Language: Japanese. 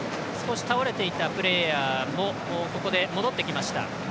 倒れていたプレーヤーもここで戻ってきました。